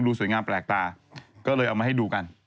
สวยงามแปลกตาก็เลยเอามาให้ดูกัน